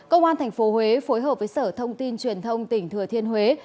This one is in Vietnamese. công an tp huế phối hợp với sở thông tin truyền thông tỉnh thừa thiên huế